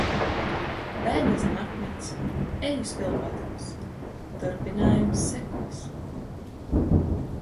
Bēda zem akmens, eju svilpodams. Turpinājums sekos...